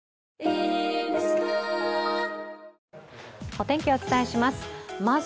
お天気、お伝えします。